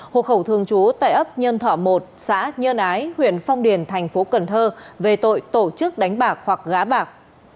hộ khẩu thường trú tại ấp nhân thỏ một xã nhơn ái huyện phong điền tp cần thơ về tội tổ chức đánh bạc hoặc gá bạc